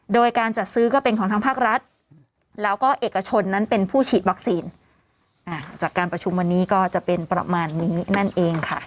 โดยการจัดซื้อก็เป็นของทางภาครัฐแล้วก็เอกชนนั้นเป็นผู้ฉีดวัคซีนจากการประชุมวันนี้ก็จะเป็นประมาณนี้นั่นเองค่ะ